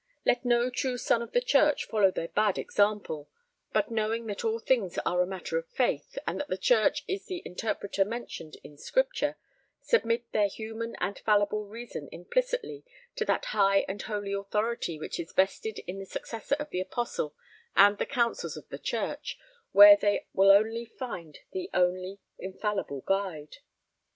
Let no true son of the church follow their bad example; but knowing that all things are a matter of faith, and that the church is the interpreter mentioned in Scripture, submit their human and fallible reason implicitly to that high and holy authority which is vested in the successor of the Apostle and the Councils of the Church, where they will find the only infallible guide."